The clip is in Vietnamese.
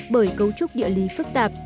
bởi cấu trúc địa lý phức tạp